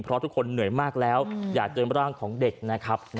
เพราะทุกคนเหนื่อยมากแล้วอยากเจอร่างของเด็กนะครับ